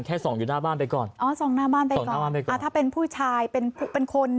แค่ส่องตรงหน้าบ้านไปก่อนถ้าเป็นผู้ชายเป็นคน